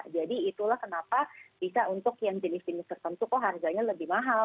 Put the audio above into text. jadi itulah kenapa bisa untuk yang jenis jenis tertentu kok harganya lebih mahal